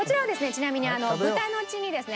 ちなみに豚の血にですね